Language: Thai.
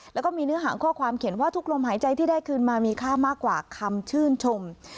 แล้วก็มีเนื้อหางข้อความเขียนว่าทุกลมหายใจที่ได้คืนมามีค่ามากกว่าคำชื่นชม